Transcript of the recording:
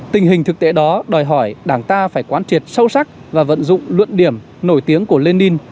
tình hình thực tế đó đòi hỏi đảng ta phải quan triệt sâu sắc và vận dụng luận điểm nổi tiếng của lenin